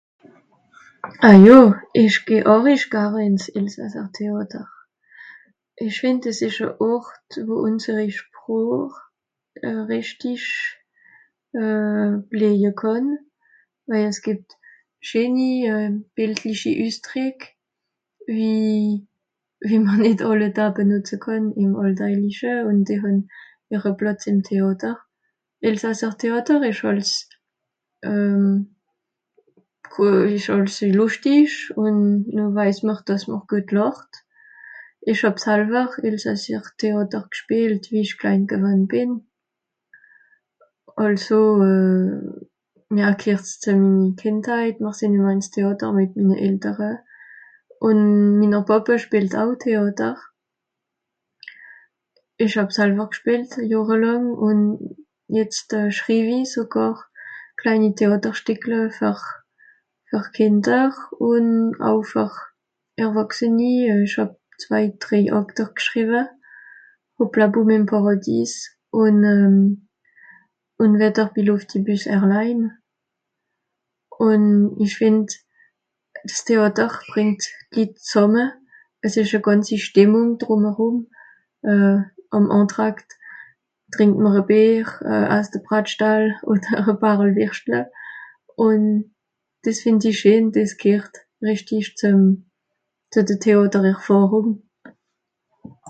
Ah jo, ich geh àhrisch gare in s Elsassertheàter. Ich find es isch e Ort wo unseri Sproch euh reschtisch euh bliehje kànn, waje s gibt scheeni, bildlichi Üssdréck wie, wie mr nitt àlle Daa benutze kànn im alldajliche, un die hàn ihre Plàtz im Theàter. Elsassertheàter isch àls euh euh isch àls luschtisch un no weiss mr dàss mr guet làcht. Ich hàb salwer elsassischer Theater gspielt wie ich klein gewann bin, àlso ja gheert s zur minnere Kindheit, mr sin àls ins Theàter mit minne Eltere, un minner Bàbbe spielt au Theàter. Ich hàb salwer gspielt, Johre làng, un jetzt euh schriw i sogàr kleini Theàterstickle fer fer Kinder un au fer Erwàchseni. Ich hàb zwei Dreiàkter gschriwwe, Hoplaboum im Pàràdies un Unwetter bi Luftibus Airline. Un ich find, s Theàter bringt d Litt zàmme, es ìsch e gànzi Stimmung drum erum euh àm Entracte trinkt mr e Bier, mr asst e Bratschtall oder e Paarel Wirschtle, un diss find i scheen, diss gheert reschdisch zuem, ze de Theàtererfàhrung